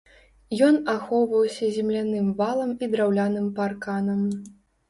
Ён ахоўваўся земляным валам і драўляным парканам.